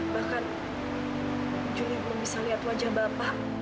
bahkan juga belum bisa lihat wajah bapak